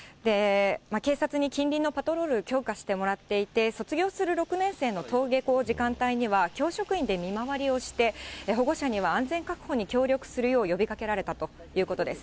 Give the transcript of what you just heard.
警察に近隣のパトロール、強化してもらっていて、卒業する６年生の登下校時間帯には、教職員で見回りをして、保護者には安全確保に協力するよう呼びかけられたということです。